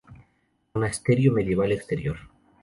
Monasterio Medieval exterior.